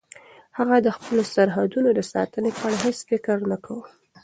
هغه د خپلو سرحدونو د ساتنې په اړه هیڅ فکر نه کاوه.